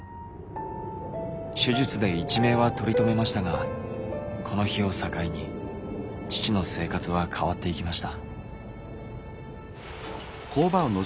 手術で一命は取り留めましたがこの日を境に父の生活は変わっていきました。